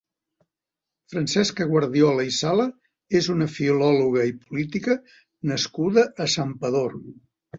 Francesca Guardiola i Sala és una filòloga i política nascuda a Santpedor.